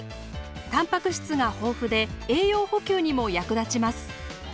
たんぱく質が豊富で栄養補給にも役立ちます。